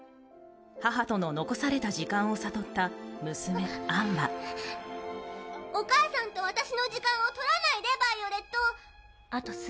母との残された時間を悟った娘・アンはお母さんと私の時間を取らないで、ヴァイオレット。